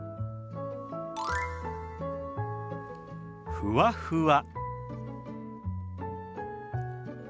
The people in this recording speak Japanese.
「ふわふわ」。